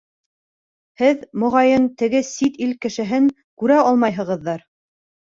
— Һеҙ, моғайын, теге сит ил кешеһен күрә алмайһығыҙҙыр?